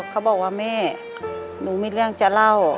เขาบอกว่าแม่หนูมีเรื่องจะเล่า